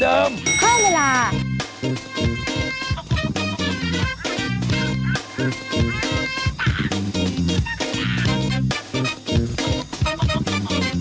โอ้โอ้โอ้